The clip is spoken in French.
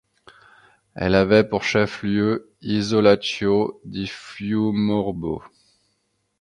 Elle avait pour chef-lieu Isolaccio-di-Fiumorbo.